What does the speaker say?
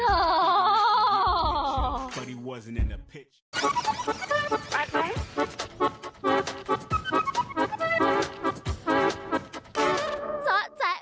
โอ้โห